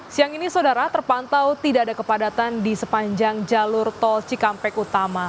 siang ini saudara terpantau tidak ada kepadatan di sepanjang jalur tol cikampek utama